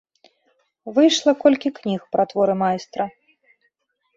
Выйшла колькі кніг пра творы майстра.